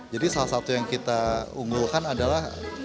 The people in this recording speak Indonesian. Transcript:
jadi salah satu yang kita unggulkan adalah